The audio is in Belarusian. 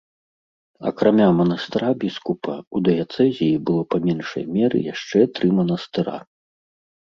Акрамя манастыра біскупа, у дыяцэзіі было па меншай меры яшчэ тры манастыра.